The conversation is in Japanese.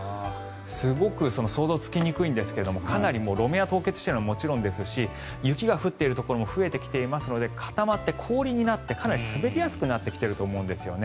すごく想像がつきにくいんですが路面は凍結しているのはもちろんですし雪が降っているところも増えてきていますので固まって氷になってかなり滑りやすくなってきていると思うんですよね。